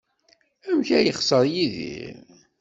Amek ay yexṣer Yidir?